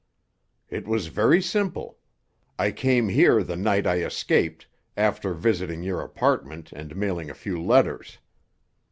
"It was very simple. I came here the night I escaped, after visiting your apartment and mailing a few letters.